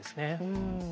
うん。